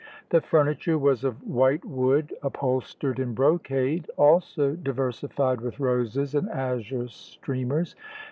The furniture was of white wood, upholstered in brocade, also diversified with roses and azure streamers.